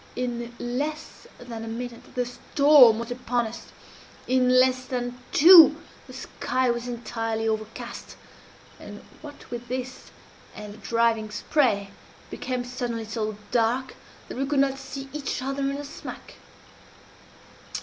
In less than a minute the storm was upon us in less than two the sky was entirely overcast and what with this and the driving spray, it became suddenly so dark that we could not see each other in the smack.